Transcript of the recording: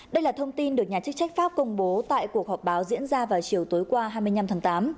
đây là thông tin được nhà chức trách pháp công bố tại cuộc họp báo diễn ra vào chiều tối qua hai mươi năm tháng tám